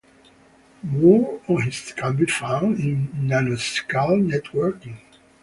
More on this can be found in nanoscale networking.